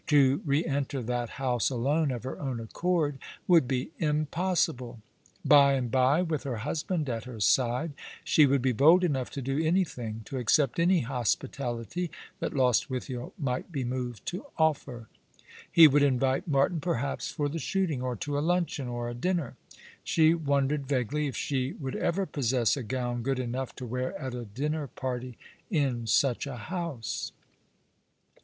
To re enter that house alone of her own accord would be impossible. By and by, with her husband at her side, she would be bold enough to do any thing, to accept any hospitality that Lostwithiel might be moved to offer. He would invite Martin, perhaps, for the shooting, or to a luncheon, or a dinner. She wondered vaguely if she would ever possess a gown good enough to wear at a dinner party in such a house.